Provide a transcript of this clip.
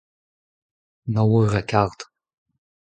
Nav eur ha kard.